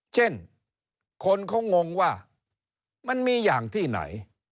เช่นคนเขางงว่ามันมีอย่างที่ไหน